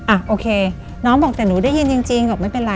โอเคน้องบอกแต่หนูได้ยินจริงบอกไม่เป็นไร